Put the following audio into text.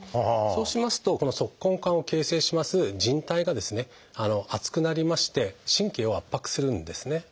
そうしますとこの足根管を形成しますじん帯がですね厚くなりまして神経を圧迫するんですね。